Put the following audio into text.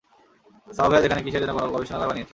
সাওভ্যাজ এখানে কীসের যেন গবেষণাগার বানিয়েছে।